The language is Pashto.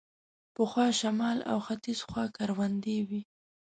پخوا شمال او ختیځ خوا کروندې وې.